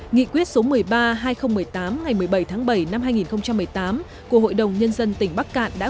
nghị quyết số một mươi ba hai nghìn một mươi tám ngày một mươi bảy tháng bảy năm hai nghìn một mươi tám của hội đồng nhân dân tỉnh bắc cạn đã